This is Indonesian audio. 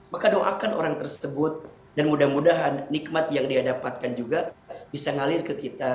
maka doakan orang tersebut dan mudah mudahan nikmat yang dia dapatkan juga bisa ngalir ke kita